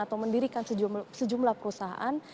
atau mendirikan sejumlah perusahaan